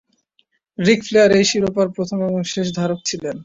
রিক Flair এই শিরোপার প্রথম এবং শেষ ধারক ছিলেন।